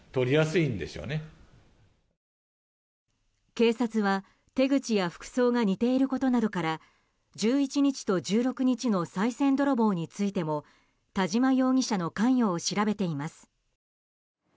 警察は、手口や服装が似ていることなどから１１日と１６日のさい銭泥棒についても田島容疑者の関与を調べています。